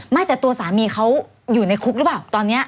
ไม่แต่ตัวสามีเขาอยู่ในคุกหรือเปล่าตอนนี้